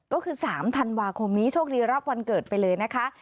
ก็คือ๓ธันวาคมนี้โชคดีรับวันเกิดไปเลยนะคะ